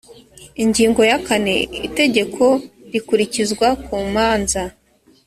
ingingo ya kane itegeko rikurikizwa ku manza